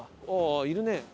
ああいるね。